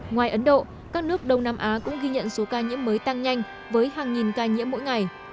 ngoài ấn độ các nước đông nam á cũng ghi nhận số ca nhiễm mới tăng nhanh với hàng nghìn ca nhiễm mỗi ngày